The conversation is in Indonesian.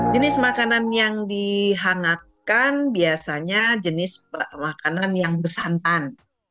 jenis makanan yang dihangatkan biasanya jenis makanan yang bersantan